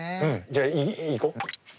じゃあいこう。